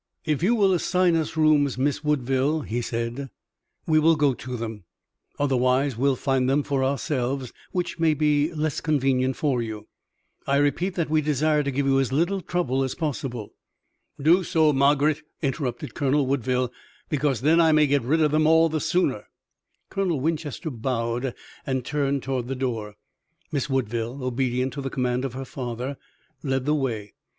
"If you will assign us rooms, Miss Woodville," he said, "we will go to them, otherwise we'll find them for ourselves, which may be less convenient for you. I repeat that we desire to give you as little trouble as possible." "Do so, Margaret," interrupted Colonel Woodville, "because then I may get rid of them all the sooner." Colonel Winchester bowed and turned toward the door. Miss Woodville, obedient to the command of her father, led the way.